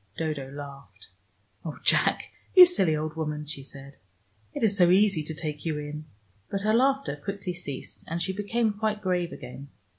Dodo laughed. "Oh, Jack, you silly old woman," she said. "It is so easy to take you in." But her laughter quickly ceased, and she became quite grave again.